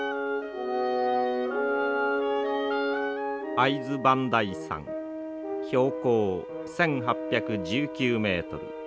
会津磐梯山標高１，８１９ｍ。